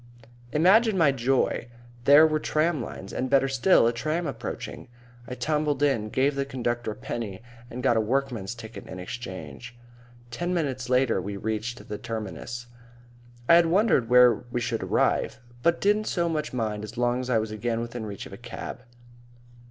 Imagine my joy; there were tramlines, and better still, a tram approaching. I tumbled in, gave the conductor a penny, and got a workman's ticket in exchange. Ten minutes later we reached the terminus. I had wondered where we should arrive, but didn't much mind so long as I was again within reach of a cab.